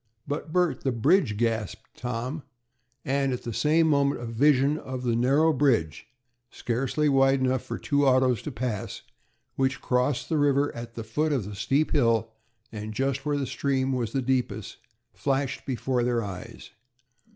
"But, Bert, the bridge!" gasped Tom, and at the same moment a vision of the narrow bridge, scarcely wide enough for two autos to pass, which crossed the river at the foot of the steep hill, and just where the stream was deepest, flashed before their eyes.